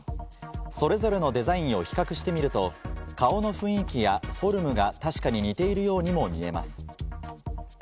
それぞれのデザインを比較してみると、顔の雰囲気やフォルムが確かに似ているようにも見えます。